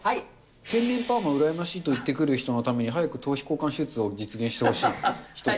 天然パーマ羨ましいと言ってくる人のために早く頭皮交換手術を実現してほしい１つ。